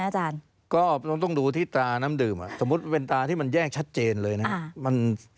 อาจารย์ก็ต้องดูที่ตาน้ำดื่มสมมุติเป็นตาที่มันแยกชัดเจนเลยนะครับ